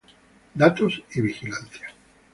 Datos y vigilancia